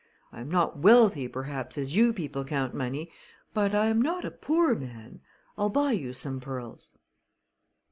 I am not wealthy, perhaps, as you people count money, but I am not a poor man. I'll buy you some pearls."